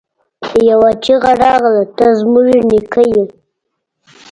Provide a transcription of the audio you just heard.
يوه چيغه راغله! ته زموږ نيکه يې!